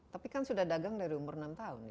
tapi kan sudah dagang dari umur enam tahun ya